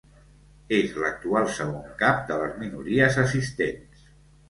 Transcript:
És l'actual segon cap de les minories assistents.